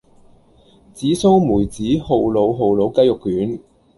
紫蘇梅子酷魯酷魯雞肉卷